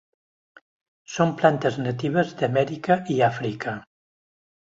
Són plantes natives d'Amèrica i Àfrica.